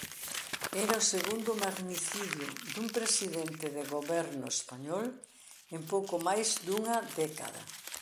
Era o segundo magnicidio dun presidente de goberno español en pouco máis dunha década.